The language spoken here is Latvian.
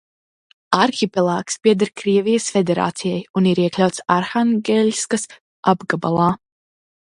Arhipelāgs pieder Krievijas Federācijai un ir iekļauts Arhangeļskas apgabalā.